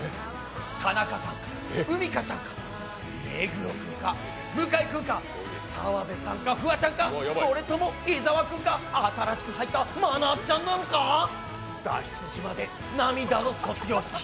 田中さんか、海荷ちゃんか、目黒君か向井君か澤部さんかフワちゃんかそれとも伊沢君か「脱出島」で涙の卒業式。